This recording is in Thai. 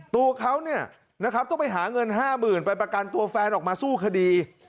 ตัวเขาเนี่ยต้องไปหาเงินห้าหมื่นไปประกันตัวแฟนออกมาสู้คดี